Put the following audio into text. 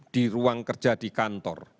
di ruang kerja di kantor